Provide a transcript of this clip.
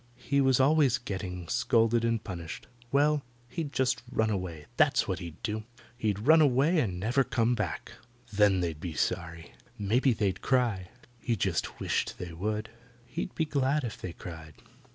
He was always getting scolded and punished. Well, he'd just run away. That's what he'd do. He'd run away and never come back. Then they'd be sorry. Maybe they'd cry. He just wished they would. He'd be glad if they cried.